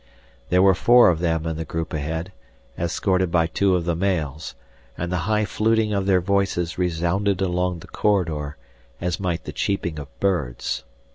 There were four of them in the group ahead, escorted by two of the males, and the high fluting of their voices resounded along the corridor as might the cheeping of birds.